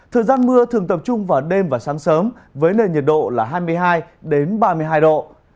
thời gian mưa thường tập trung vào đêm và sáng sớm với nền nhiệt độ là hai mươi hai ba mươi hai độ